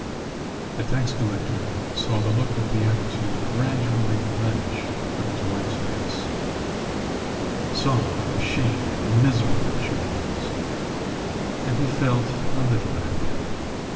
The tax collector saw the look of beatitude gradually vanish from his wife's face, saw how ashamed and miserable she was and he felt a little happier.